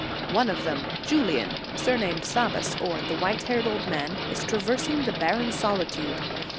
One of them, Julian, surnamed Sabas, or the white haired old man, is traversing the barren solitude.